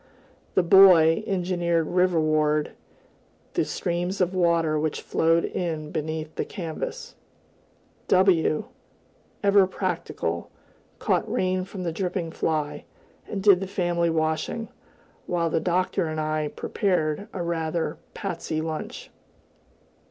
The Boy engineered riverward the streams of water which flowed in beneath the canvas; W , ever practical, caught rain from the dripping fly, and did the family washing, while the Doctor and I prepared a rather pasty lunch.